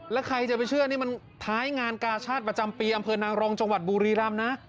แล้วใครจะไปเชื่อนี่มันท้ายงานกาชาติประจำปีอำเภอนางรองจังหวัดบุรีรำนะ